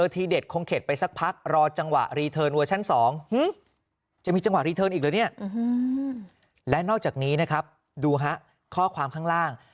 และนอกจากนี้นะครับดูฮะข้อความข้างล่าง